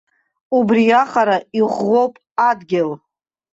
Убриаҟара иӷәӷәоуп адгьыл.